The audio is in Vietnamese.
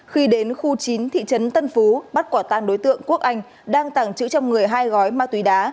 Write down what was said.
khi đến khu chín thị trấn tân phú bắt quả tan đối tượng quốc anh đang tàng trữ trong người hai gói ma túy đá